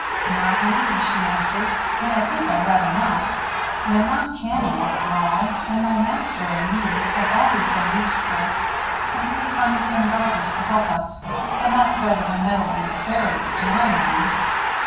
"Not we," she answered; "and I think I'd rather not. They're not canny after all; and my master and me have always been used to work, and we've sons and daughters to help us, and that's better than meddling with the Fairies, to my mind.